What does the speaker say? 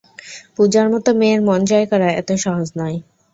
পুজার মতো মেয়ের মন জয় করা, এত সহজ নয়।